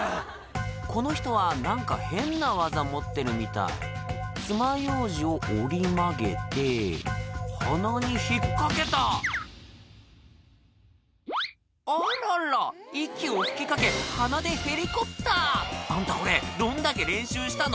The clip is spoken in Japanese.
この人は何か変な技持ってるみたいつまようじを折り曲げて鼻に引っかけたあらら息を吹きかけ鼻でヘリコプターあんたこれどんだけ練習したの？